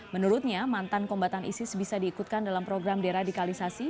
menurutnya mantan kombatan isis bisa diikutkan dalam program deradikalisasi